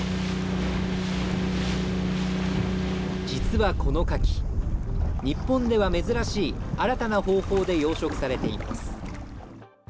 実はこのカキ、日本では珍しい新たな方法で養殖されています。